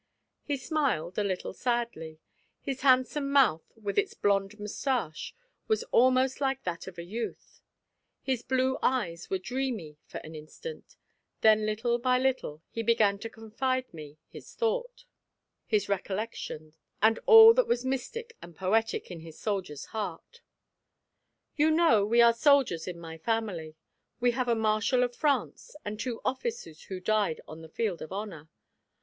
He smiled, a little sadly. His handsome mouth, with its blond mustache, was almost like that of a youth. His blue eyes were dreamy for an instant, then little by little he began to confide to me his thought, his recollections and all that was mystic and poetic in his soldier's heart. "You know we are soldiers in my family. We have a marshal of France and two officers who died on the field of honor.